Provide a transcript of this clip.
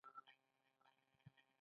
د دوى گزمې به چې پر هر چا پېښې سوې.